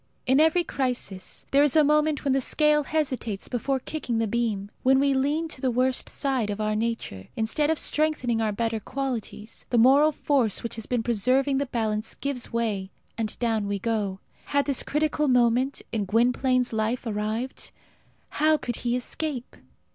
In every crisis there is a moment when the scale hesitates before kicking the beam. When we lean to the worst side of our nature, instead of strengthening our better qualities, the moral force which has been preserving the balance gives way, and down we go. Had this critical moment in Gwynplaine's life arrived? How could he escape?